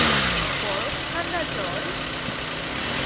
বরফ ঠান্ডা জল!